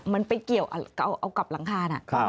มันไปเกี่ยวเอากับหลังคาน่ะ